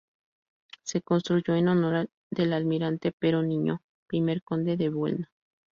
Se construyó en honor del almirante Pero Niño, primer conde de Buelna.